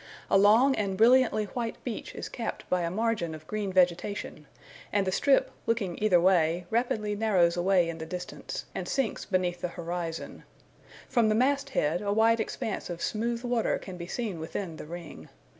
A long and brilliantly white beach is capped by a margin of green vegetation; and the strip, looking either way, rapidly narrows away in the distance, and sinks beneath the horizon From the mast head a wide expanse of smooth water can be seen within the ring.